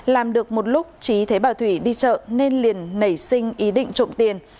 làm được một lúc trí thấy bà thủy đi chợ nên liền nảy sinh ý định trộm tiền